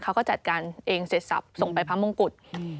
เขาก็จัดการเองเสร็จสับส่งไปพระมงกุฎ